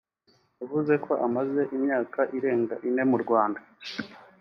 yavuze ko amaze imyaka irenga ine mu Rwanda